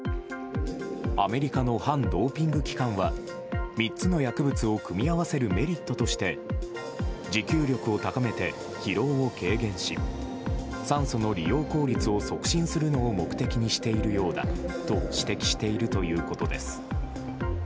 アメリカの反ドーピング機関は３つの薬物を組み合わせるメリットとして持久力を高めて疲労を軽減し酸素の利用効率を促進するのを目的にしているようだと指摘しているということです。